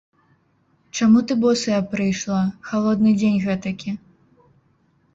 Чаму ты босая прыйшла, халодны дзень гэтакі?